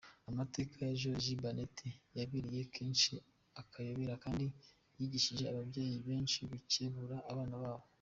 Amateka ya Joriji Baneti yabereye benshi akayobera, kandi yigishije ababyeyi benshi gukebura abana babo.